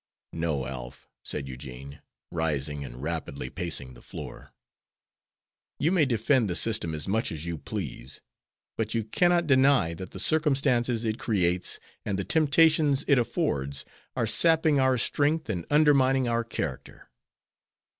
"No, Alf," said Eugene, rising and rapidly pacing the floor, "you may defend the system as much as you please, but you cannot deny that the circumstances it creates, and the temptations it affords, are sapping our strength and undermining our character."